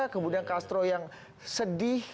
kemudian castro yang sedih